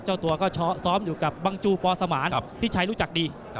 เจ้าตัวก็ซ้อมอยู่กับบังจูปอสมานพี่ชัยรู้จักดี